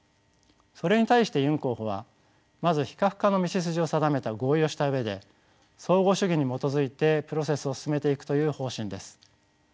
それに対してユン候補はまず非核化の道筋を定めた合意をした上で相互主義に基づいてプロセスを進めていくという方針です。